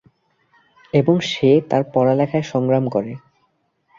এবং সে তার পড়ালেখায় সংগ্রাম করে।